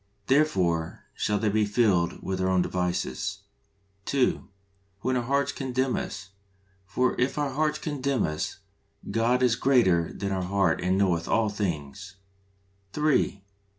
"Therefore shall they be filled with their own devices" {Prov. i. 31). (2.) When our hearts condemn us. "For if our hearts condemn us, God is greater than our heart and knoweth all things" (i John iii.